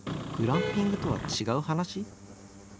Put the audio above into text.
グランピングとは違う話？